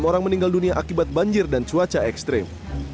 enam orang meninggal dunia akibat banjir dan cuaca ekstrim